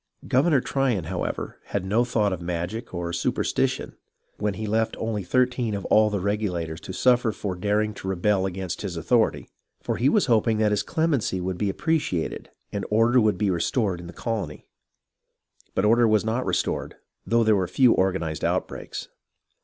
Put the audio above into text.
Governor Tryon, however, had no thought of magic or superstition when he left only thirteen of all the Regula tors to suffer for daring to rebel against his authority, for he was hoping that his clemency would be appreciated and THE FIRST BLOODSHED 29 order would be restored in the colony. But order was not restored, though there were few organized outbreaks.